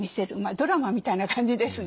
ドラマみたいな感じですね。